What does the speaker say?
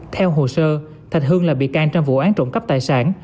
theo hồ sơ thạch hưng là bị can trong vụ án trộm cắp tài sản